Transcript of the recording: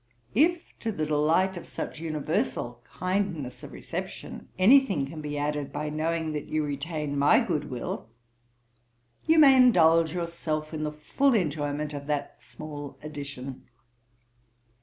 If to the delight of such universal kindness of reception, any thing can be added by knowing that you retain my good will, you may indulge yourself in the full enjoyment of that small addition.